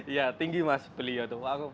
iya tinggi mas beliau